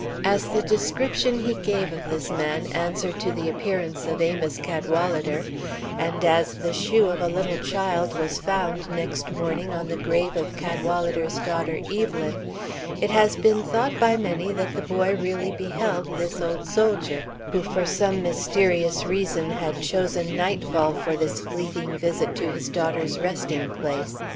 As the description he gave of this man answered to the appearance of Amos Cadwalader, and as the shoe of a little child was found next morning on the grave of Cadwalader's daughter, Evelyn, it has been thought by many that the boy really beheld this old soldier, who for some mysterious reason had chosen nightfall for this fleeting visit to his daughter's resting place.